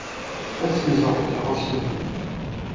Ad ssenzeɣ takeṛṛust-nni.